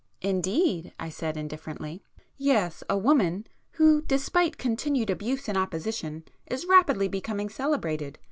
"Indeed!" I said indifferently. "Yes—a woman, who despite continued abuse and opposition is rapidly becoming celebrated.